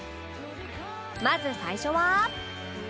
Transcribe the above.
まず最初は